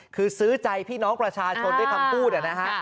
คือซื้อใจพี่น้องประชาชนด้วยคำพูดนะฮะ